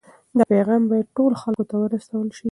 دا پیغام باید ټولو خلکو ته ورسول شي.